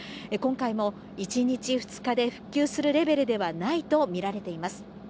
今回も１日、２日で復旧するレベルではないと見られています。